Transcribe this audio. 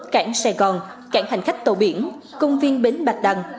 cảng sài gòn cảng hành khách tàu biển công viên bến bạch đằng